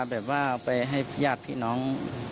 แบบว่าไปให้ญาติพี่น้อง